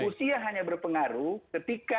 usia hanya berpengaruh ketika